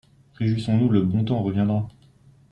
Réjouissons-nous, le bon temps reviendra!